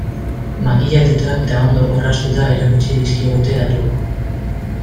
Makillatuta eta ondo orraztuta erakutsi dizkigute datuok.